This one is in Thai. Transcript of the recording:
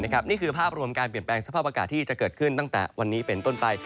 นี่คือภาพรวมการเปลี่ยนแปลงสภาพอากาศที่จะเกิดขึ้นตั้งแต่วันนี้เป็นต้นไป